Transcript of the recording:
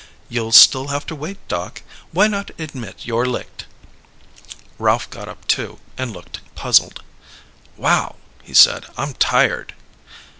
"You'll still have to wait, Doc. Why not admit you're licked?" Ralph got up too, and looked puzzled. "Wow," he said. "I'm tired."